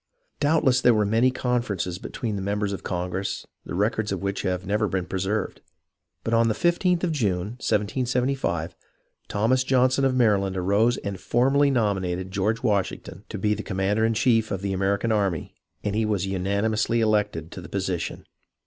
Doubtless there were many conferences between the members of Congress, the records of which have never been preserved ; but on the 15th of June, 1775, Thomas Johnson of Maryland arose and formally nominated George Wash ington to be commander in chief of the American army, and he was unanimously elected to the position.